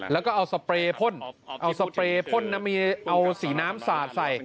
แล้วก็เอาสเปรย์พ่นเอาสเปรย์พ่นน้ำเมียเอาสีน้ำสาดใส่